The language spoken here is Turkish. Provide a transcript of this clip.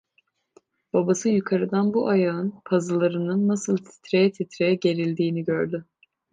Babası yukarıdan bu ayağın pazılarının nasıl titreye titreye gerildiğini gördü.